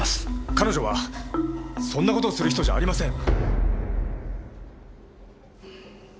彼女はそんな事をする人じゃありません！